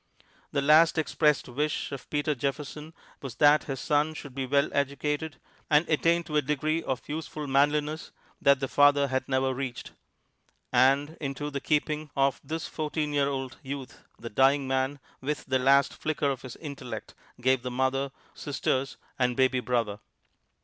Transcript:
The last expressed wish of Peter Jefferson was that his son should be well educated, and attain to a degree of useful manliness that the father had never reached. And into the keeping of this fourteen year old youth the dying man, with the last flicker of his intellect, gave the mother, sisters and baby brother.